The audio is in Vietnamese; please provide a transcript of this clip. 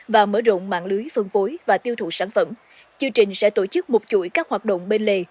và mở rộng mạng lưới phân phối và tiêu thụ sản phẩm chương trình sẽ tổ chức một chuỗi các hoạt động bên lề